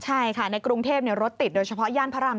ใช่ค่ะในกรุงเทพรถติดโดยเฉพาะย่านพระราม